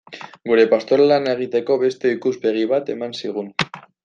Gure pastoral lana egiteko beste ikuspegi bat eman zigun.